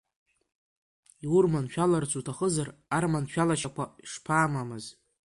Иурманшәаларц уҭахызар, арманшәалашьақәа шԥамамыз!